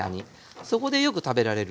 そこでよく食べられる料理で。